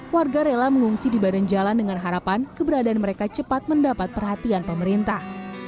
warga rela mengungsi di badan jalan dengan harapan keberadaan mereka cepat mendapat perhatian pemerintah